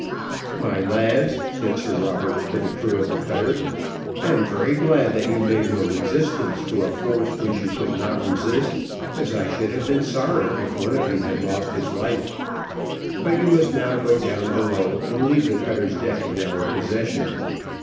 "My lads," said Sir Robert to the crew of the cutter, "I am very glad that you made no resistance to a force which you could not resist, as I should have been sorry if one of you had lost his life; but you must now go down below and leave the cutter's deck in our possession.